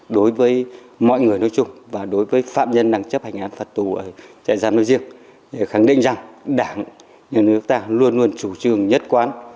đối với mọi người nói chung và đối với phạm nhân đang chấp hành án phạt tù ở trại giam nơi riêng khẳng định rằng đảng nhà nước ta luôn luôn chủ trương nhất quán